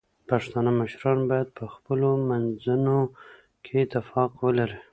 پښتانه مشران باید په خپلو منځونو کې اتفاق ولري.